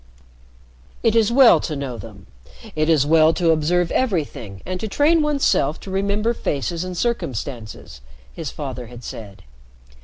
"It is well to know them. It is well to observe everything and to train one's self to remember faces and circumstances," his father had said.